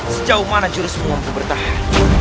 sejauh mana jurus mampu bertahan